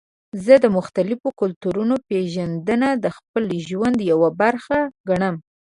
زه د مختلفو کلتورونو پیژندنه د خپل ژوند یوه برخه ګڼم.